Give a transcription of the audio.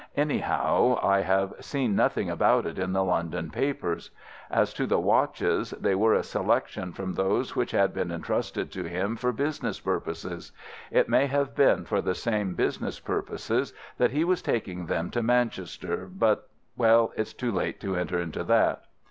Anyhow, I have seen nothing about it in the London papers. As to the watches, they were a selection from those which had been intrusted to him for business purposes. It may have been for the same business purposes that he was taking them to Manchester, but—well, it's too late to enter into that.